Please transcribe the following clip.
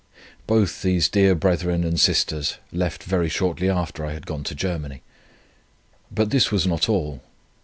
Both these dear brethren and sisters left very shortly after I had gone to Germany. But this was not all.